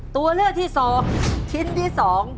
ตัวเลือกที่๒ชิ้นที่๒